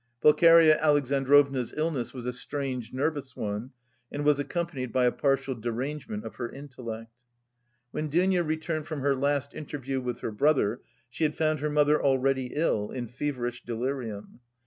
Pulcheria Alexandrovna's illness was a strange nervous one and was accompanied by a partial derangement of her intellect. When Dounia returned from her last interview with her brother, she had found her mother already ill, in feverish delirium.